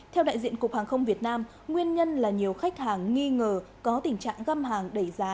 theo đại diện cục hàng không việt nam nguyên nhân là nhiều khách hàng nghi ngờ có tình trạng găm hàng đẩy giá